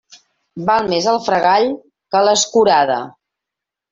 Val més el fregall que l'escurada.